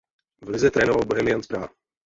V lize trénoval Bohemians Praha.